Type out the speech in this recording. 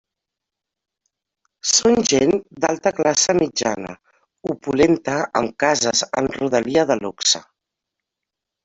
Són gent d'alta classe mitjana, opulenta amb cases en rodalia de luxe.